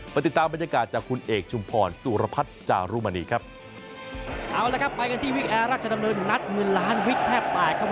มาติดตามบรรยากาศจากคุณเอกชุมพรสุรพัฒน์จารุมานีครับ